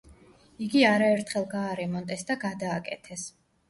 იგი არაერთხელ გაარემონტეს და გადააკეთეს.